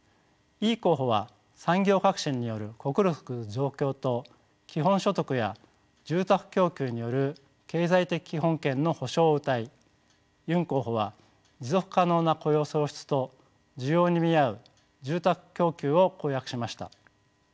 イ候補は産業革新による国力増強と基本所得や住宅供給による経済的基本権の保障をうたいユン候補は持続可能な雇用創出と需要に見合う住宅供給を公約しました。